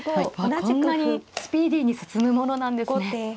こんなにスピーディーに進むものなんですね。